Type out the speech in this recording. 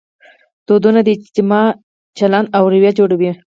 دودونه د اجتماع چلند او رویه جوړوي.